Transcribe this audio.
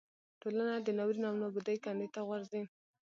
ټولنه د ناورین او نابودۍ کندې ته غورځوي.